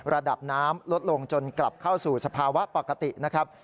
ระดับน้ำลดลงจนกลับเข้าสู่สภาวะปกตินะครับ